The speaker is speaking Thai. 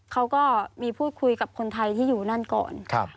เขาก็มีพูดคุยกับคนไทยที่อยู่นั่นก่อน